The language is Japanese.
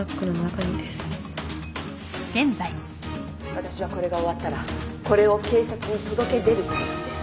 私はこれが終わったらこれを警察に届け出るつもりです。